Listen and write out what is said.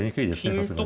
さすがに。